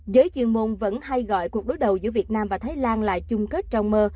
giới chuyên môn vẫn hay gọi cuộc đối đầu giữa việt nam và thái lan là chung kết trong mơ